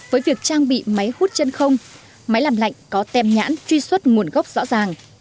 với việc trang bị máy hút chân không máy làm lạnh có tem nhãn truy xuất nguồn gốc rõ ràng